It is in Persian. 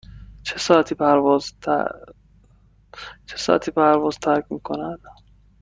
چه ساعتی پرواز ترک می کند؟